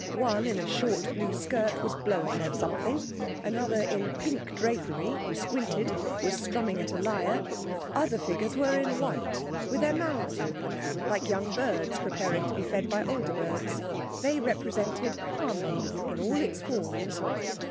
One, in a short blue skirt, was blowing at something; another in pink drapery (who squinted) was strumming on a lyre; other figures were in white, with their mouths open like young birds preparing to be fed by older birds. They represented Harmony in all its forms.